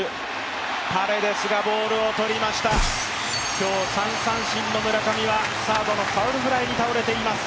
今日３三振の村上はサードフライに倒れています。